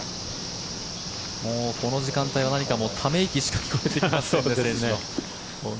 この時間帯は何か、選手のため息しか聞こえてきません。